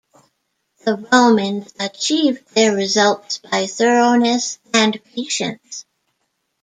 The Romans achieved their results by thoroughness and patience.